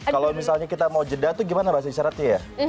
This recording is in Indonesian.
kalau misalnya kita mau jeda tuh gimana bahasa isyaratnya ya